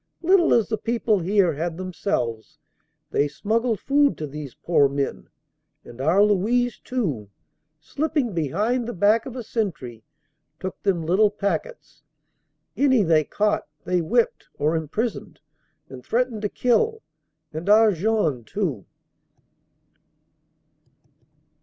Little as the people here had themselves, they smuggled food to these poor men, and our Louise too, slipping behind the back of a sentry, took them little packets. Any they caught they whipped or imprisoned and threatened to kill. And our Jean too